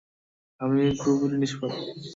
আমি পুরোপুরি নিষ্পাপ!